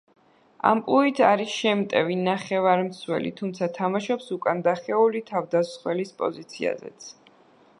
ამპლუით არის შემტევი ნახევარმცველი, თუმცა თამაშობს უკანდახეული თავდამსხმელის პოზიციაზეც.